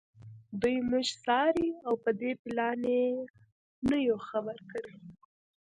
دوی موږ څاري او په دې پلان یې نه یو خبر کړي